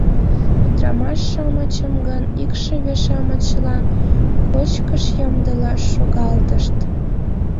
Ӱдырамаш-шамычым гын икшыве-шамычлан. кочкыш ямдылаш шогалтышт.